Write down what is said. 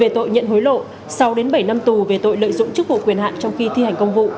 tội nhận hối lộ sáu đến bảy năm tù lợi dụng chức vụ quyền hạng trong khi thi hành công vụ